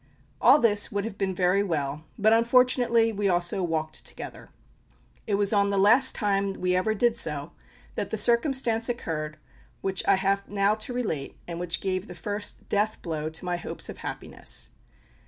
All this would have been very well, but unfortunately we also walked together. It was on the last time we ever did so that the circumstance occurred which I have now to relate, and which gave the first death blow to my hopes of happiness.